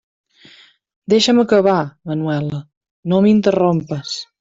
Deixa'm acabar, Manuela; no m'interrompes.